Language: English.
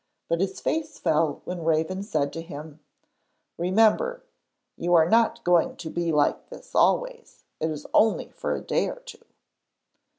But his face fell when Raven said to him: 'Remember you are not going to be like this always; it is only for a day or two.'